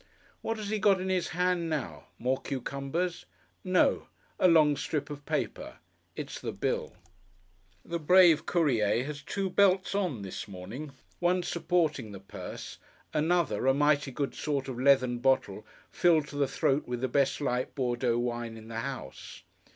What has he got in his hand now? More cucumbers? No. A long strip of paper. It's the bill. The brave Courier has two belts on, this morning: one supporting the purse: another, a mighty good sort of leathern bottle, filled to the throat with the best light Bordeaux wine in the house.